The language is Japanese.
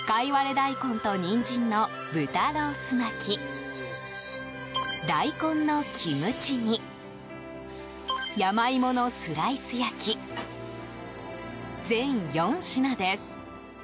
大根と人参の豚ロース巻き大根のキムチ煮山芋のスライス焼き全４品です。